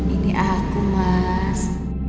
ini aku mas